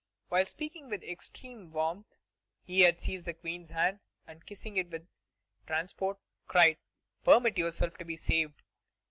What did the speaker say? While speaking with extreme warmth, he had seized the Queen's hand, and, kissing it with transport, cried, 'Permit yourself to be saved!'